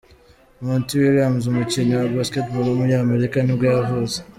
Monty Williams, umukinnyi wa basketball w’umunyamerika nibwo yavutse.